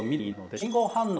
信号反応。